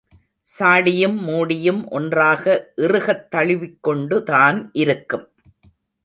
சாடியும் மூடியும் ஒன்றாக இறுகத் தழுவிக்கொண்டு தான் இருக்கும்.